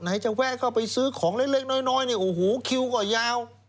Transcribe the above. จะแวะเข้าไปซื้อของเล็กน้อยเนี่ยโอ้โหคิวก็ยาว